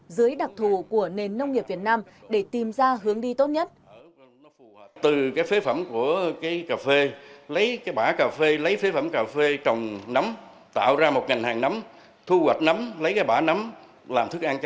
dưới đặc thù của nền nông nghiệp việt nam để tìm ra hướng đi tốt nhất